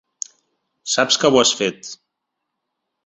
Saps que ho has fet.